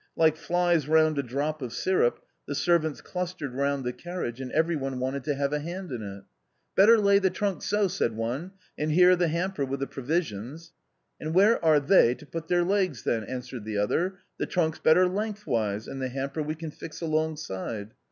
Like flies round a drop of syrup, the servants clustered round the carriage, and every one wanted to have a hand in it. " Better lay the trunk so," said one, " and here the hamper with the provisions." " And where are they to put their legs then ?" answered the other, "the trunk's better lengthways, and the hamper we can fix alongside."